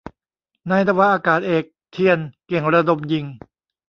นายนาวาอากาศเอก เฑียร เก่งระดมยิง